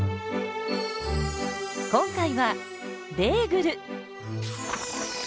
今回はベーグル！